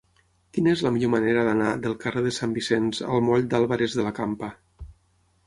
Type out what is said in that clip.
Quina és la millor manera d'anar del carrer de Sant Vicenç al moll d'Álvarez de la Campa?